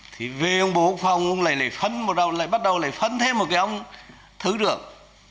thì về ông bộ quốc phòng ông lại phân một đầu lại bắt đầu lại phân thêm một cái ông thứ trưởng